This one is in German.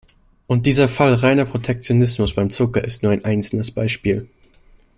Und dieser Fall reiner Protektionismus beim Zucker ist nur ein einzelnes Beispiel.